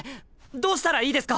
どうしたらいいですか！？